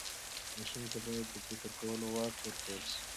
ماشوم ته باید د فکر کولو واک ورکړل سي.